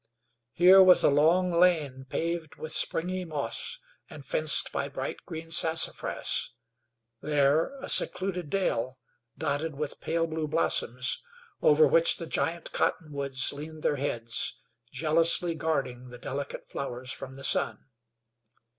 Here was a long lane paved with springy moss and fenced by bright green sassafras; there a secluded dale, dotted with pale blue blossoms, over which the giant cottonwoods leaned their heads, jealously guarding the delicate flowers from the sun.